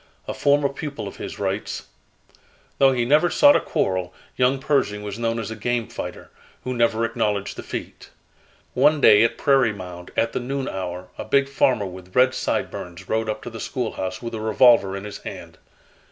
A former pupil of his writes: "Though he never sought a quarrel, young Pershing was known as 'a game fighter,' who never acknowledged defeat. One day, at Prairie Mound, at the noon hour a big farmer with red sideburns rode up to the schoolhouse with a revolver in his hand.